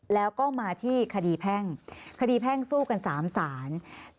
แล้วก็มาที่คดีแพ่งคดีแพ่งสู้กัน๓ศาล